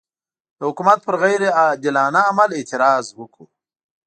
د حکومت پر غیر عادلانه عمل اعتراض وکړو.